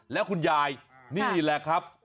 แล้วคุณยายนี่แหละครับ